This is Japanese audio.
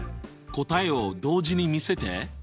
答えを同時に見せて！